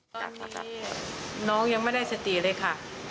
ตอนนี้น้องยังไม่ได้สติเลยค่ะ